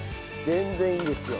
全然いいですよ。